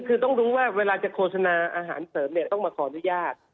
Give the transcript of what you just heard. คือต้องรู้ว่าเวลาจะโฆษณาอาหารเสริมเนี่ยต้องมาขออนุญาต